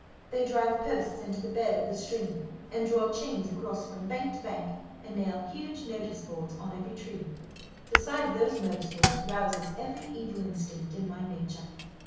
They drive posts into the bed of the stream, and draw chains across from bank to bank, and nail huge notice boards on every tree. The sight of those notice boards rouses every evil instinct in my nature.